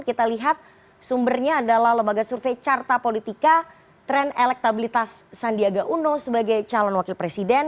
kita lihat sumbernya adalah lembaga survei carta politika tren elektabilitas sandiaga uno sebagai calon wakil presiden